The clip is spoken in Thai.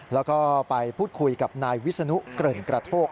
แล้วก็ไปพูดคุยกับนายวิศนุเกริ่นกระโทก